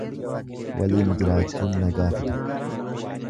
Waliin jiraachuun nagaa fida.